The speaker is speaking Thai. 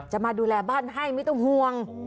มาดูแลบ้านให้ไม่ต้องห่วง